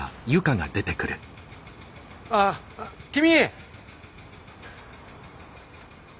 ああ君！